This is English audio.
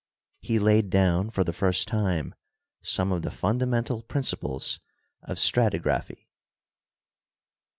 He laid down for the first time some of the fundamental prin ciples of stratigraphy.